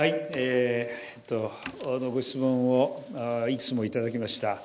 ご質問をいくつもいただきました。